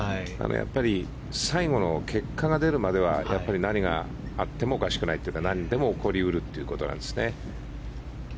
やっぱり最後の結果が出るまでは何があってもおかしくないというか何でも起こり得るということですね。